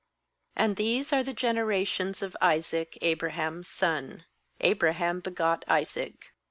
"And these are the generations of Isaac, Abraham's son: Abraham begot Isaac.